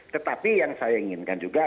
tetapi yang saya inginkan juga